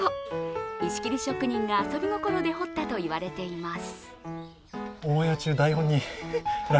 石切り職人が遊び心で彫ったといわれています。